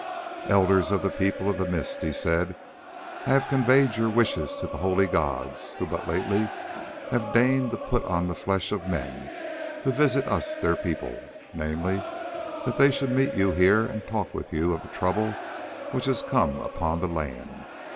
"Elders of the People of the Mist," he said, "I have conveyed your wishes to the holy gods, who but lately have deigned to put on the flesh of men to visit us their people; namely, that they should meet you here and talk with you of the trouble which has come upon the land.